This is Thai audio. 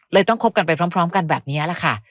ต้องคบกันไปพร้อมกันแบบนี้แหละค่ะ